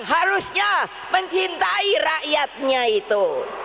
harusnya mencintai rakyatnya itu